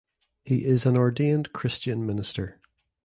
He is an ordained Christian minister.